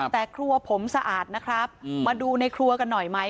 แต่ครัวผมสะอาดนะครับมาดูในครัวกันหน่อยไหม